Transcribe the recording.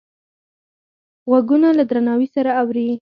غوږونه له درناوي سره اوري